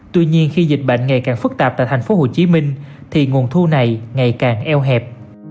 tuy nhiên khi dịch bệnh ngày càng phức tạp tại tp hcm thì nguồn thu này ngày càng eo hẹp